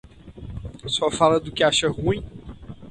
Só fala do que acha ruim?